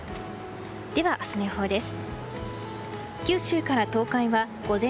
では明日の予報です。